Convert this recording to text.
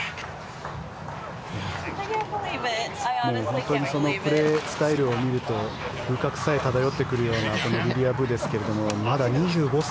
本当にプレースタイルを見ると風格さえ漂ってくるようなリリア・ブですけどもまだ２５歳。